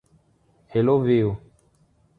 Ele ouviu